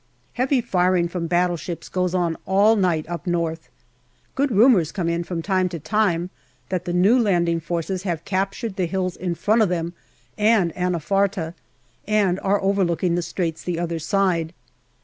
Heavy firing from battleships goes on all night up north. Good rumours come in from time to time that the new landing forces have captured the hills in front of them and Anafarta, and are overlooking the Straits the other side.